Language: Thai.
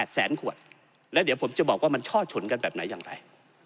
แสนขวดแล้วเดี๋ยวผมจะบอกว่ามันช่อฉนกันแบบไหนอย่างไร